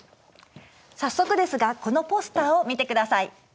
早速ですがこのポスターを見てください。